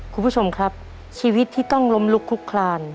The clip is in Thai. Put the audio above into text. คุณผู้ชมครับชีวิตที่ต้องล้มลุกลุกคลาน